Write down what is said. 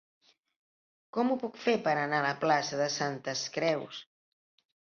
Com ho puc fer per anar a la plaça de Santes Creus?